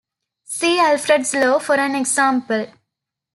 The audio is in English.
See Alford's Law for an example.